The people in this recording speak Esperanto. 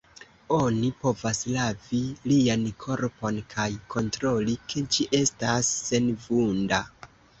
Oni povas lavi lian korpon, kaj kontroli, ke ĝi estas senvunda.